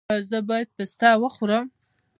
ایا زه باید پسته وخورم؟